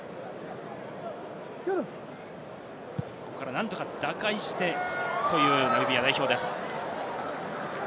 何とか打開してというナミビア代表です。